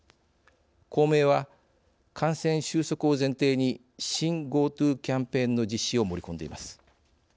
公明は感染収束を前提に新ＧｏＴｏキャンペーンの実施を盛り込んでいます。